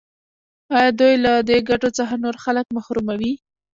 آیا دوی له دې ګټو څخه نور خلک محروموي؟